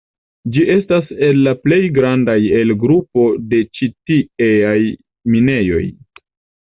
Ĝi estas el la plej grandaj el grupo de ĉi tieaj minejoj.